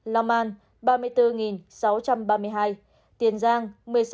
lòng an ba mươi bốn sáu trăm ba mươi hai tiền giang một mươi sáu một trăm chín mươi chín